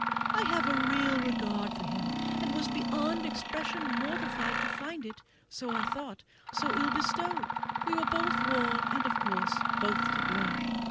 I have a real regard for him, and was beyond expression mortified to find it, as I thought, so ill bestowed. We were both warm, and of course both to blame.